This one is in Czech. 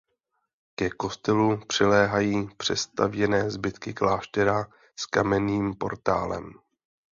Ke kostelu přiléhají přestavěné zbytky kláštera s kamenným portálem.